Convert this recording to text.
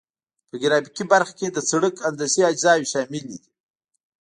په ګرافیکي برخه کې د سرک هندسي اجزاوې شاملې دي